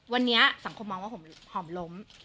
วันนี้สังคมมองว่าหอมล้ม